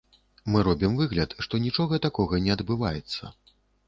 Мы робім выгляд, што нічога такога не адбывацца.